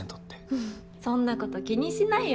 ふふっそんなこと気にしないよ